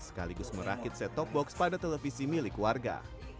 sekaligus merakit set top box pada televisi milik warga